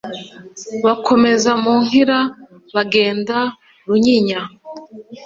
Bakomeza mu Nkira, bagenda Runyinya;